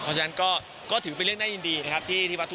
สาธารณีสี่มุมออกมาทั้งเว็บเลขนี้เลยครับ